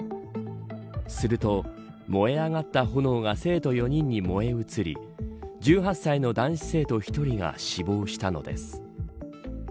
すると燃え上がった炎が生徒４人に燃え移り１８歳の男子生徒１人が死亡したのです。